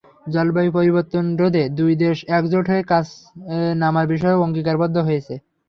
জলবায়ু পরিবর্তন রোধে দুই দেশ একজোট হয়ে কাজে নামার বিষয়েও অঙ্গীকারবদ্ধ হয়েছে।